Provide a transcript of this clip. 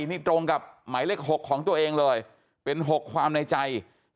นี่ตรงกับหมายเลข๖ของตัวเองเลยเป็น๖ความในใจ